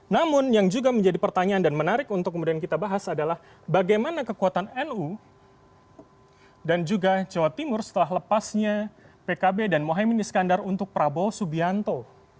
namun yang juga menjadi pertanyaan dan menarik untuk kemudian kita bahas adalah bagaimana kekuatan nu dan juga jawa timur setelah lepasnya pkb dan mohaimin iskandar untuk prabowo subianto